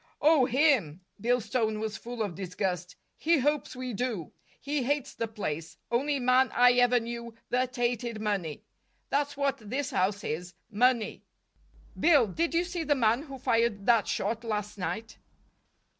"Oh, him!" Bill's tone was full of disgust. "He hopes we do. He hates the place. Only man I ever knew that hated money. That's what this house is money." "Bill, did you see the man who fired that shot last night?"